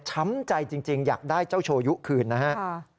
ช้ำใจจริงอยากได้เจ้าโชยุคืนนะฮะ